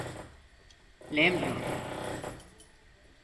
Lémbroo.